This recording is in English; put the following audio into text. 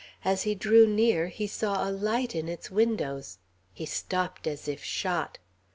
As he drew near, he saw a light in its windows. He stopped as if shot.